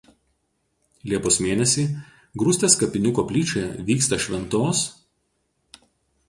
Liepos mėnesį Grūstės kapinių koplyčioje vyksta šv.